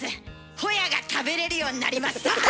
ほやが食べれるようになりました。